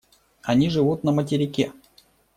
Они живут на материке.